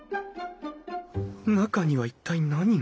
中には一体何が？